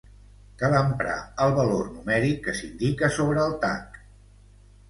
Cal emprar el valor numèric que s'indica sobre el tac.